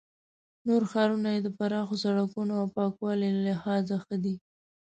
نور ښارونه یې د پراخو سړکونو او پاکوالي له لحاظه ښه دي.